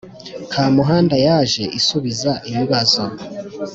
kamuhanda yaje isubiza ibibazo